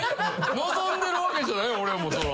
望んでるわけじゃない俺もそら。